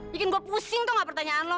bikin gue pusing tuh gak pertanyaan lo